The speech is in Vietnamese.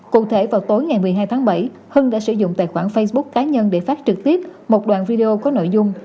cụ thể vào tối ngày một mươi hai tháng bảy hưng đã sử dụng tài khoản facebook cá nhân để phát trực tiếp một đoạn video có nội dung